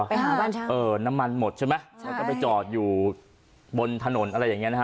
ไปหาบ้านเช่าเออน้ำมันหมดใช่ไหมแล้วก็ไปจอดอยู่บนถนนอะไรอย่างเงี้นะฮะ